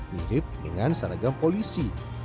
mirip dengan seragam polisi